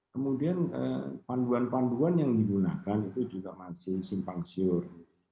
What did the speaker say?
kemudian panduan panduan yang digunakan itu juga masih simpang siur